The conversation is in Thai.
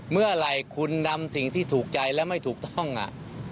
เมื่อไหร่คุณนำสิ่งที่ถูกใจและไม่ถูกต้องอ่ะ